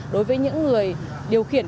đối với những người điều khiển